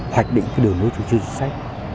hoạch định cái đường đối chú truyền sách